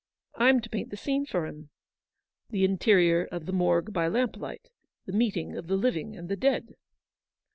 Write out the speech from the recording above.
I'm to paint the scene for him. ' The interior of the Morgue by lamplight. The meeting of the living and the dead.'